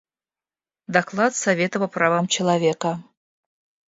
Доклад Совета по правам человека.